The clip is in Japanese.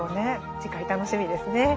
次回楽しみですね。